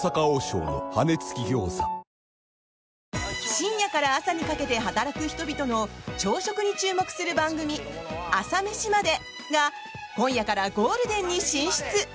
深夜から朝にかけて働く人々の朝食に注目する番組「朝メシまで。」が今夜からゴールデンに進出！